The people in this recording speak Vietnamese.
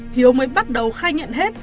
hiếu mới bắt đầu khai nhận hết